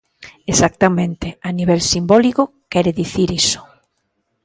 Exactamente, a nivel simbólico quere dicir iso.